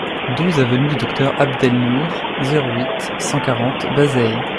douze avenue du Docteur Abd El Nour, zéro huit, cent quarante, Bazeilles